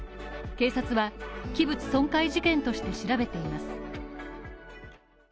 警察は器物損壊事件として調べています。